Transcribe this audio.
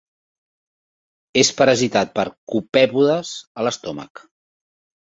És parasitat per copèpodes a l'estómac.